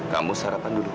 kamu sarapan dulu